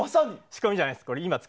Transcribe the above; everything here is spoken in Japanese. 仕込みじゃないです。